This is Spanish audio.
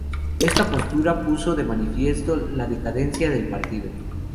Esta postura puso de manifiesto la decadencia del partido.